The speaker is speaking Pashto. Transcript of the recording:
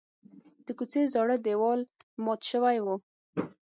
د کوڅې زاړه دیوال مات شوی و.